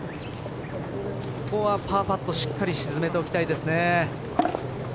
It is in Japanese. ここはパーパットしっかり沈めておきたいですね。